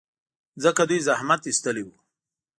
ځکه دوی زحمت ایستلی و.